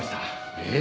えっ？